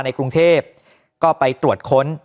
ในกรุงเทพก็ไปตรวจค้น